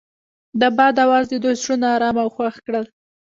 د باد اواز د دوی زړونه ارامه او خوښ کړل.